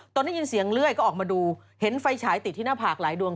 ได้ยินเสียงเลื่อยก็ออกมาดูเห็นไฟฉายติดที่หน้าผากหลายดวง